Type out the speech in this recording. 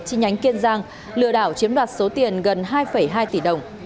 trên nhánh kiên giang lừa đạo chiếm đặt số tiền gần hai hai tỷ đồng